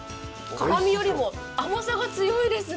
辛みよりも、甘さが強いですね。